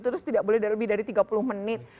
terus tidak boleh lebih dari tiga puluh menit